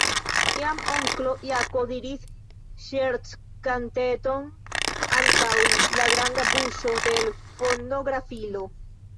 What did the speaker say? Iam onklo Jako diris ŝerckanteton antaŭ la granda buŝo de l' fonografilo.